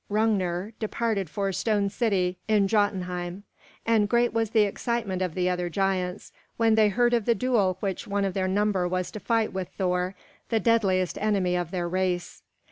Hrungnir departed for Stone City in Jotunheim; and great was the excitement of the other giants when they heard of the duel which one of their number was to fight with Thor, the deadliest enemy of their race.